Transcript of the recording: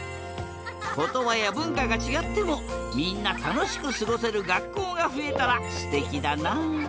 ことばやぶんかがちがってもみんなたのしくすごせるがっこうがふえたらすてきだな！